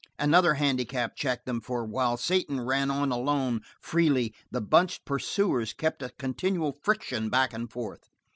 Another handicap checked them, for while Satan ran on alone, freely, the bunched pursuers kept a continual friction back and forth.